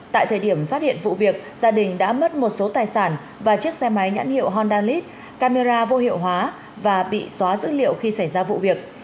tại thời điểm phát hiện vụ việc gia đình đã mất một số tài sản và chiếc xe máy nhãn hiệu hondalit camera vô hiệu hóa và bị xóa dữ liệu khi xảy ra vụ việc